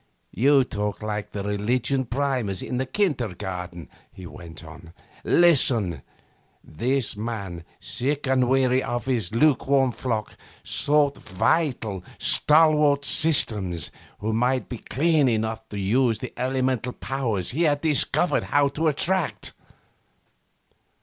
'You talk like the religion primers in the kindergarten,' he went on. 'Listen. This man, sick and weary of his lukewarm flock, sought vital, stalwart systems who might be clean enough to use the elemental powers he had discovered how to attract.